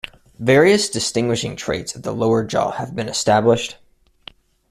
Various distinguishing traits of the lower jaw have been established.